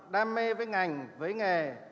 đam mê với ngành với nghề